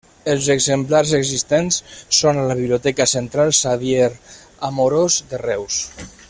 Els exemplars existents són a la Biblioteca Central Xavier Amorós de Reus.